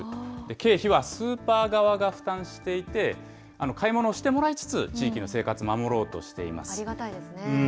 経費はスーパー側が負担していて、買い物をしてもらいつつ、ありがたいですね。